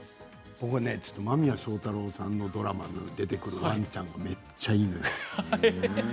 僕は間宮祥太朗さんのドラマ出てくるワンちゃんがめっちゃいいのよ。